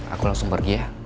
aku langsung pergi ya